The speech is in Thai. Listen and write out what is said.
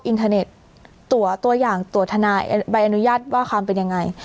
อินเทอร์เน็ตตัวอย่างตัวทนายใบอนุญาตว่าความเป็นยังไง